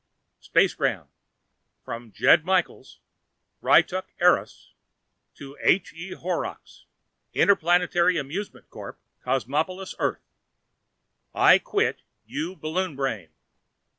SPACEGRAM From: Jed Michaels, Ryttuk, Eros To: H. E. Horrocks, Interplanetary Amusement Corp., Cosmopolis, Earth I QUIT, YOU BALLOON BRAIN.